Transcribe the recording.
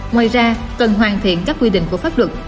ngoài ra cần hoàn thiện các quy định của pháp luật